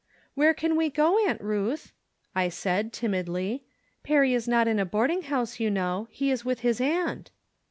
" Where can we go, Aunt Ruth ?" I said, tim idly. "Perry is not in a boarding house, you know. He is with his aunt."